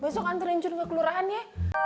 besok anterinjur ke kelurahan ya